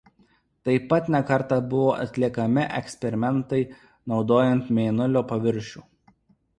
Taip pat ne kartą buvo atliekami eksperimentai naudojant Mėnulio paviršių.